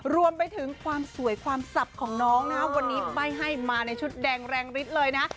รวมไปถึงความสวยความสับของน้องนะวันนี้ไม่ให้มาในชุดแดงแรงฤทธิ์เลยนะ